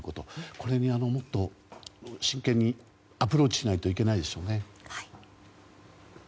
これにもっと真剣にアプローチしないといけないでしょうね。